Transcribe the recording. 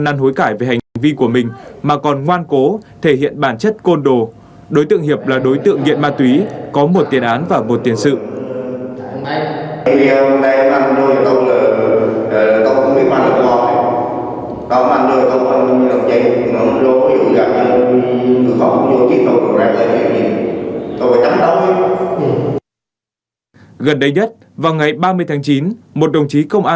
gần đây nhất vào ngày ba mươi tháng chín một đồng chí công an xã quế mỹ triển khai tổ công tác xuống hiện trường